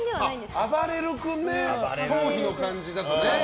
あばれる君ね頭皮の感じだとね。